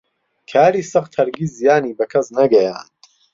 کاری سەخت هەرگیز زیانی بە کەس نەگەیاند.